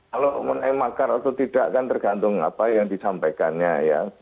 kalau makar atau tidak kan tergantung apa yang disampaikannya ya